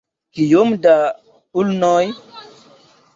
Kiom da ulnoj?